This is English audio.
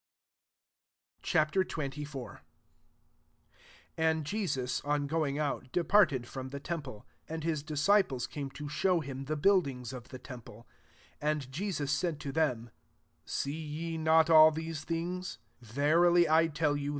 »'' Ch.XXIV. 1 AND Jesus, on going out, departed from the temple : and his disciples came to show him the buildings of the temple. 2 Ana Jesus said to them, " See ye [not'] all these things ? Verily I tell you.